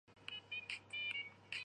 网路购物陷阱多